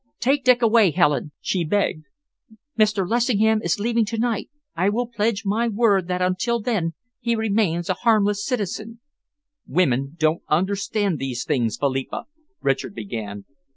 Take Dick away, Helen!" she begged. "Mr. Lessingham is leaving to night. I will pledge my word that until then he remains a harmless citizen." "Women don't understand these things, Philippa " Richard began.